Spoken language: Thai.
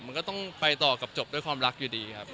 มันก็ต้องไปต่อกับจบด้วยความรักอยู่ดีครับ